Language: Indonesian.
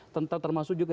tentang termasuk juga